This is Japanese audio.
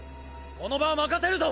この場は任せるぞ！